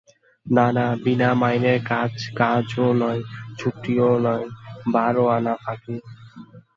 না না বিনা মাইনের কাজ কাজও নয়, ছুটিও নয়, বারো-আনা ফাঁকি।